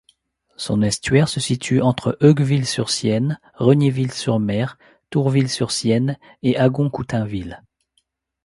Son estuaire se situe entre Heugueville-sur-Sienne, Regnéville-sur-Mer, Tourville-sur-Sienne et Agon-Coutainville.